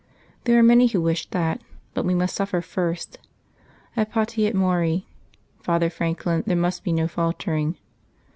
There are many who wish that. But we must suffer first. Et pati et mori. Father Franklin, there must be no faltering."